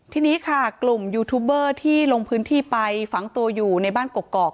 ทีนี้ค่ะกลุ่มยูทูบเบอร์ที่ลงพื้นที่ไปฝังตัวอยู่ในบ้านกกอก